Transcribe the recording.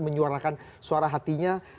menyuarakan suara hatinya